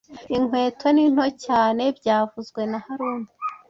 Inkweto ni nto cyane byavuzwe na haruna